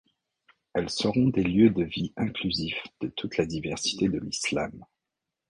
Elles seront des lieux de vie inclusifs de toute la diversité de l’islam.